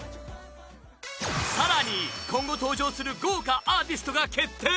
さらに、今後登場する豪華アーティストが決定。